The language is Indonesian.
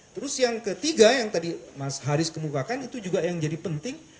terus yang ketiga yang tadi mas haris kemukakan itu juga yang jadi penting